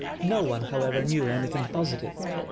41 No one, however, knew anything positive.